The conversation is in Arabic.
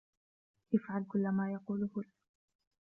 افعل كلّ ما يقولهُ لك.